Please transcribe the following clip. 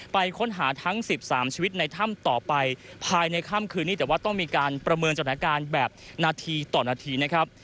ไปค้นหาทั้ง๑๓ชีวิตในถ้ำต่อไปภายในค่ำคืนนี้แต่ว่าต้องมีการประเมินสถานการณ์แบบนาทีต่อนาทีนะครับ